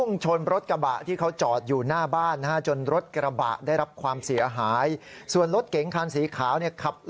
นี่ครับขับมา